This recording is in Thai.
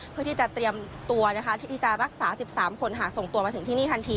เพื่อที่จะเตรียมตัวที่จะรักษา๑๓คนหากส่งตัวมาถึงที่นี่ทันที